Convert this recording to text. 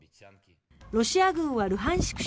ロシア軍はルハンシク